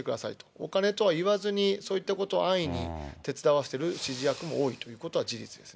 お金とは言わずに、そういったことを安易に手伝わせている指示役も多いということは事実ですね。